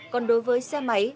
còn đối với xe máy